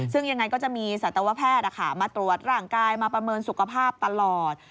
ซึ่งยังไงก็จะมีสัตวแพทย์มาตรวจร่างกายมาประเมินสุขภาพตลอด